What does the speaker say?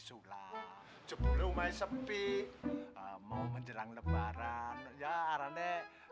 sulam jepro mai sepi mau menjelang lebaran ya arane